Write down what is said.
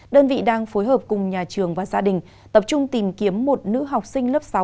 đơn vị đang phối hợp cùng nhà trường và gia đình tập trung tìm kiếm một nữ học sinh lớp sáu